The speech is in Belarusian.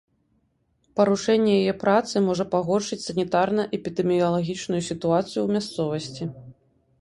Парушэнне яе працы можа пагоршыць санітарна-эпідэміялагічную сітуацыю ў мясцовасці.